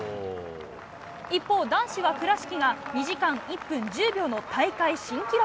一方、男子は倉敷が、２時間１分１０秒の大会新記録。